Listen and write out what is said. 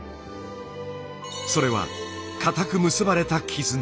それは固く結ばれた絆。